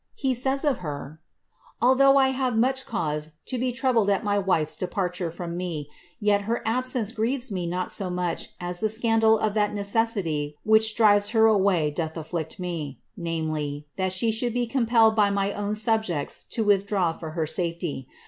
He says of her, ^Although I have much ciuse to be troubled at my wife's departure from me, yet her absence grieves me not so much as the scandal of that necessity which drives her away doth afflict me — viz., that she should be compelled by my own subjects to withdraw for her safety.